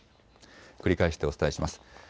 繰り返してお伝えします。